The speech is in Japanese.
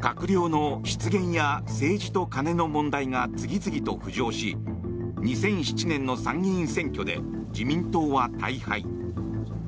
閣僚の失言や政治とカネの問題が次々と浮上し２００７年の参議院選挙で自民党は大敗。